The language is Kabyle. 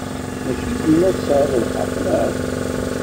Maci dima tesɛid lḥeqq, naɣ?